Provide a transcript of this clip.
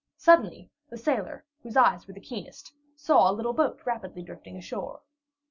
Suddenly, the sailor, whose eyes were the keenest, saw a little boat rapidly drifting ashore.